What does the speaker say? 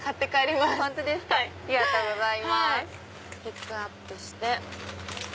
ピックアップして。